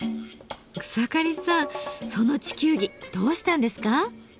草刈さんその地球儀どうしたんですか？